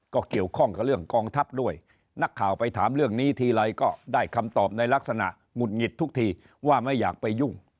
ก็เกี่ยวข้องกับเรื่องกองทัพด้วยนักข่าวไปถามเรื่องนี้ทีไรก็ได้คำตอบในลักษณะหงุดหงิดทุกทีว่าไม่อยากไปยุ่ง